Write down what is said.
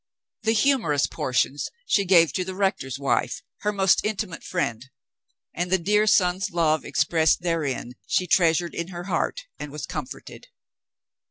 The humorous portions she gave to the rector's wife, — her most intimate friend, — and the dear son's love expressed therein she treasured in her heart and was comforted.